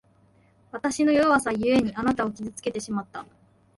わたしの弱さゆえに、あなたを傷つけてしまった。